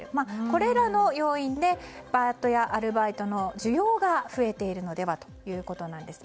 これらの要因でパートやアルバイトの需要が増えているのではということなんです。